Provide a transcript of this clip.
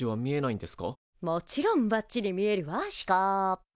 もちろんばっちり見えるわシュコー。